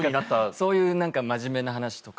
そういう何か真面目な話とか。